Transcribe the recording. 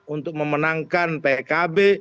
untuk memenangkan pkb